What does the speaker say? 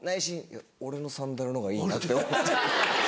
「いや俺のサンダルの方がいいな」って思ってる。